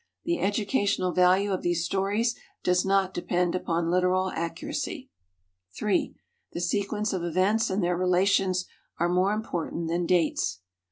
"The educational value of these stories does not depend upon literal accuracy." 3. The sequence of events and their relations are more important than dates.